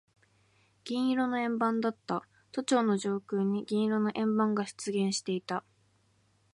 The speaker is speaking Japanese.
銀色の円盤だった。都庁の上空に銀色の円盤が出現していた。